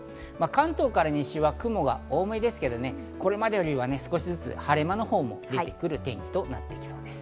関東から西は雲が多めですけどね、これまでよりは少しずつ晴れ間のほうも出てくる天気となっていきそうです。